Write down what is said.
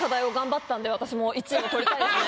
私も１位を取りたいですね